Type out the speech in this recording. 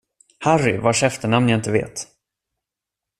Harry, vars efternamn jag inte vet.